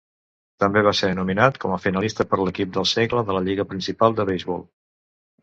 També va ser nominat com a finalista per a l'Equip del Segle de la Lliga Principal de Beisbol.